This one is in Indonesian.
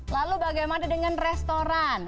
lalu bagaimana dengan restoran